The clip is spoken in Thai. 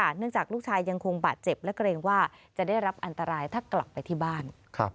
เนื่องจากลูกชายยังคงบาดเจ็บและเกรงว่าจะได้รับอันตรายถ้ากลับไปที่บ้าน